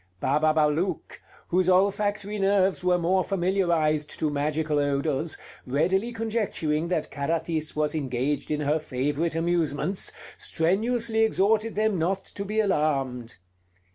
Bababalouk, whose olfactory nerves were more familiarized to magical odors, readily conjecturing that Carathis was engaged in her favorite amusements, strenuously exhorted them not to be alarmed.